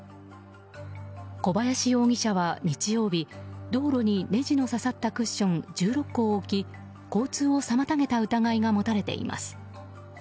小林容疑者は日曜日道路にネジの刺さったクッション１６個を置き、交通を妨げた疑いが持たれています。